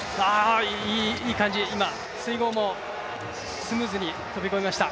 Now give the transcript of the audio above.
いい感じ、今、水濠もスムーズに飛び越えました。